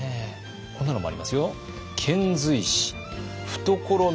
こんなのもありますよ。